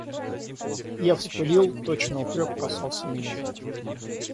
Я вспылил, точно упрек касался меня.